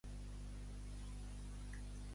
Jo imante, empane, envidue, esclate, escalone, fustege